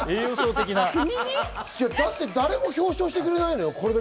だって誰も表彰してくれないんですよ。